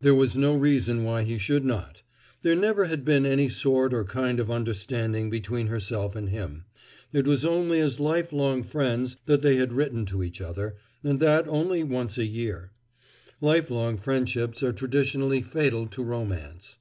There was no reason why he should not; there never had been any sort or kind of understanding between herself and him; it was only as lifelong friends that they had written to each other, and that only once a year. Lifelong friendships are traditionally fatal to romance.